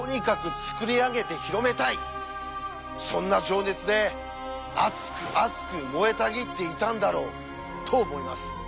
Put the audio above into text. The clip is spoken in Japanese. そんな情熱で熱く熱く燃えたぎっていたんだろうと思います。